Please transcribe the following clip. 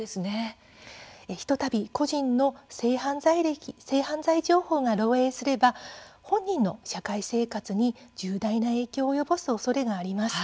ひとたび個人の性犯罪情報が漏えいすれば本人の社会生活に重大な影響を及ぼすおそれがあります。